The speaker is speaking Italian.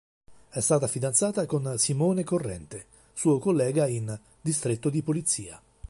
È stata fidanzata con Simone Corrente, suo collega in "Distretto di Polizia".